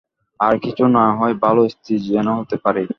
আর কিছু না হই ভালো স্ত্রী যেন হতে পারি।